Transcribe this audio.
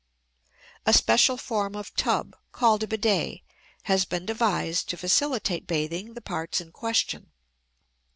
A special form of tub, called a "bidet," has been devised to facilitate bathing the parts in question.